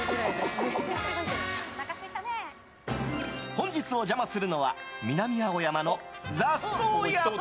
本日お邪魔するのは南青山の雑草家。